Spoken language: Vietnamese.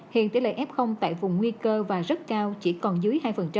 hiện tỷ lệ f tại vùng nguy cơ và rất cao chỉ còn dưới hai